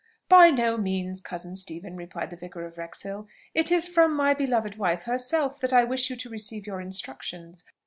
"By no means, cousin Stephen," replied the Vicar of Wrexhill; "it is from my beloved wife herself that I wish you to receive your instructions.